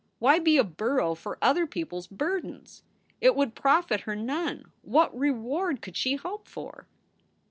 Why be a burro for other people s burdens? It would profit her none. What reward could she hope for?